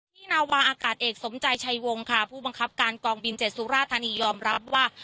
นี่นาวาอากาศเอกสมใจชัยวงค่ะผู้บังคับการกองบิน๗สุราธานียอมรับว่า